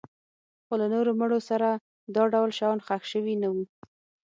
خو له نورو مړو سره دا ډول شیان ښخ شوي نه وو